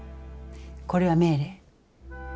これは命令。